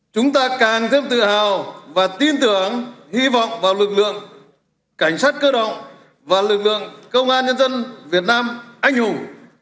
chúng ta càng thêm tự hào và tin tưởng hy vọng vào lực lượng cảnh sát cơ động và lực lượng công an nhân dân việt nam anh hùng